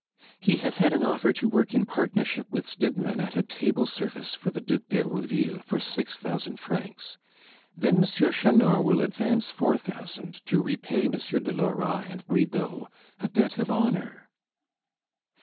"He has had an offer to work in partnership with Stidmann at a table service for the Duc d'Herouville for six thousand francs. Then Monsieur Chanor will advance four thousand to repay Monsieur de Lora and Bridau a debt of honor."